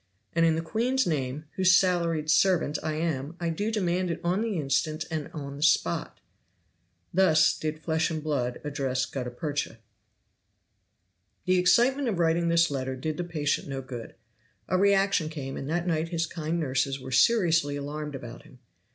And in the queen's name, whose salaried servant I am, I do demand it on the instant and on the spot." Thus did flesh and blood address gutta percha. The excitement of writing this letter did the patient no good. A reaction came, and that night his kind nurses were seriously alarmed about him.